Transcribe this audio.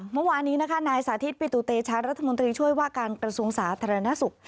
เมื่อวานนี้นะคะนายสาธิตปิตุเตชะรัฐมนตรีช่วยว่าการกระทรวงสาธารณสุข